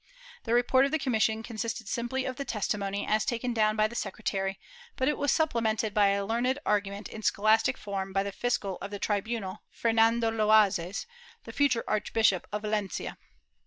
The report of the commission consisted simply of the testimony, as taken down by the secretary, but it was supplemented by a learned argument in scholastic form by the fiscal of the tribunal, Fernando Loazes, the future Archbishop of Valencia.